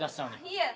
いえ。